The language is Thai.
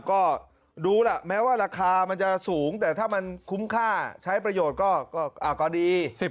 ก็ดูล่ะแม้ว่าราคามันจะสูงแต่ถ้ามันคุ้มค่าใช้ประโยชน์ก็ดี